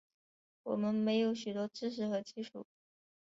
我们没有许多知识和技术